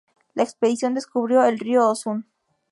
La expedición descubrió el río Osun.